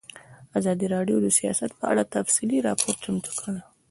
ازادي راډیو د سیاست په اړه تفصیلي راپور چمتو کړی.